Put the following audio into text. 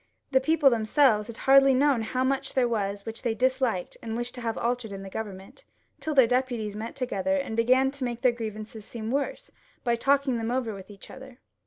The people themselves had hardly known how much there was which they disliked and wished to have altered in the Government, till their deputies met together and began to make their grievances seem worse by talking them over with each other.